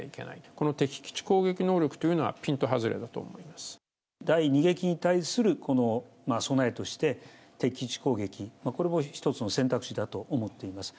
この敵基地攻撃能力というのはピ第２撃に対する備えとして、敵基地攻撃、これも一つの選択肢だと思っています。